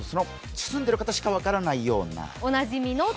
住んでいる方しか分からないような。